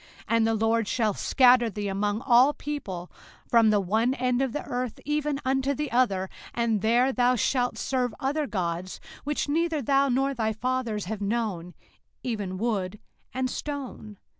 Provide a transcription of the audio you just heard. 05:028:064 And the LORD shall scatter thee among all people, from the one end of the earth even unto the other; and there thou shalt serve other gods, which neither thou nor thy fathers have known, even wood and stone.